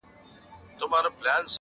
ژبه یې لمبه ده اور په زړه لري؛